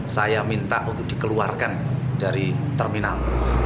saya minta untuk dikeluarkan dari terminal